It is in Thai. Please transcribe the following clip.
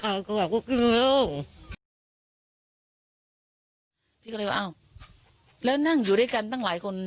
เพิ่งก็เลยว่าแบบไหนก็เรียกแล้วนั่งอยู่ด้วยกันหลายคน